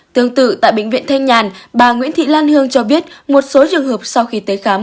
tương tự tại bệnh viện thanh nhàn bà nguyễn thị lan hương cho biết một số trường hợp sau khi tới khám